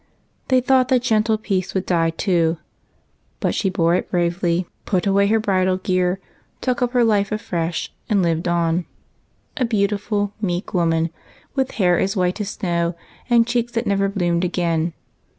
They thought that gentle Peace would die too ; but she bore it bravely, put away her bridal gear, took up her life afresh, and lived on, — a beautiful, meek woman, with hair as 38 EIGHT COUSINS. white as snow and cheeks that never bloomed again.